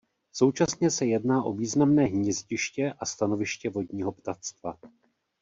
Současně se jedná o významné hnízdiště a stanoviště vodního ptactva.